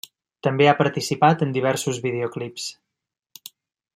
També ha participat en diversos videoclips.